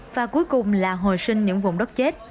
và cuối cùng là hồi sinh những vùng đất chết